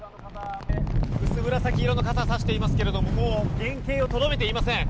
薄紫色の傘をさしていますけれどももう原形をとどめていません。